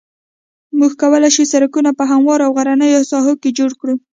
موږ کولای شو سرکونه په هموارو او غرنیو ساحو کې جوړ کړو